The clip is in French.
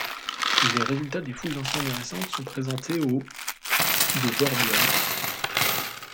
Les résultats des fouilles anciennes et récentes sont présentés au de Voorburg.